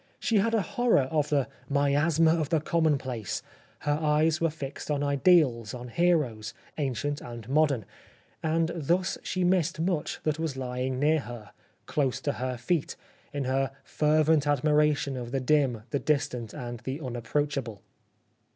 She had a horror of the ' miasma of the commonplace '; her eyes were fixed on ideals, on heroes, ancient and modern — and thus she missed much that was lying near her, ' close to her feet,' in her fervent admiration of the dim, the distant and the unapproachable."